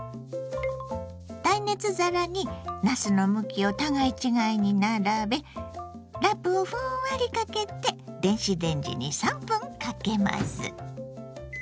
耐熱皿になすの向きを互い違いに並べラップをふんわりかけて電子レンジに３分かけます。